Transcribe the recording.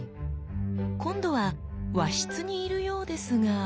今度は和室にいるようですが。